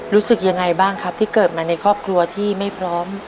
รู้สึกยังไงบ้างครับที่เกิดมาในครอบครัวที่ไม่พร้อม